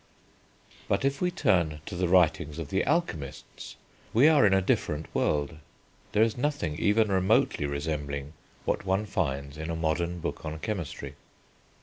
But if we turn to the writings of the alchemists, we are in a different world. There is nothing even remotely resembling what one finds in a modern book on chemistry.